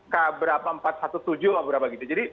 k empat ratus tujuh belas atau berapa gitu jadi